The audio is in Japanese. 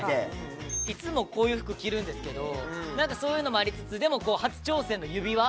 いつもこういう服着るんですけどなんかそういうのもありつつでもこう初挑戦の指輪。